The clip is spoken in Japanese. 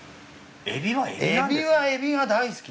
エビはエビが大好き。